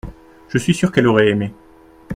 Je suis sûr qu’elle aurait aimé.